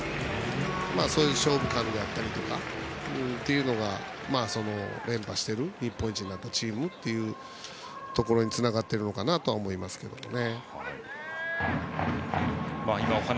そういう勝負勘であったりとかが連覇している、日本一になったチームというところにつながっているのかなとは思いますね。